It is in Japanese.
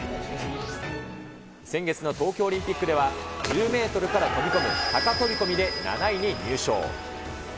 先月の東京オリンピックでは、１０メートルから飛び込む高飛込で７位に入賞。